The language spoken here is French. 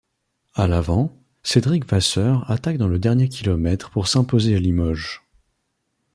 À l'avant, Cédric Vasseur attaque dans le dernier kilomètre pour s'imposer à Limoges.